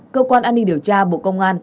cơ quan an ninh điều tra bộ công an